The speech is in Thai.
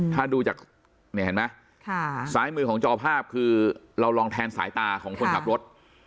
ถ้าดูจากนี่เห็นไหมซ้ายมือของจอภาพคือเราลองแทนสายตาของคนขับรถ